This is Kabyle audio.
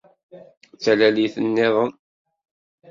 D talalit-nniḍen.